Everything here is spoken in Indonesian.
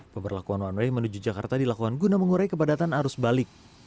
pemberlakuan one way menuju jakarta dilakukan guna mengurai kepadatan arus balik